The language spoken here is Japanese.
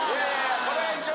これは一応。